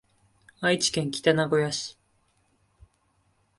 愛知県北名古屋市